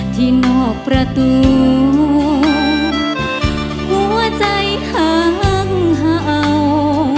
ที่นอกประตูหัวใจข้างเห่า